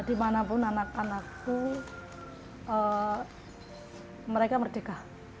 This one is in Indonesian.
dimanapun anak anakku mereka merdeka